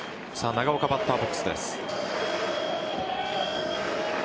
長岡、バッターボックスです。